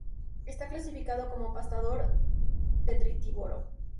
Está clasificado como pastador-detritívoro.